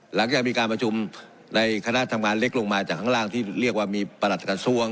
หลังจากมีการประชุมในคณะทำงานเล็กลงมาจากข้างล่างที่เรียกว่ามีประหลัดกระทรวง